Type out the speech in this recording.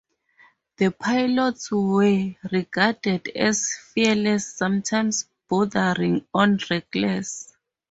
The pilots were regarded as fearless, sometimes bordering on reckless.